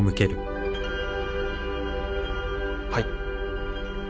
はい。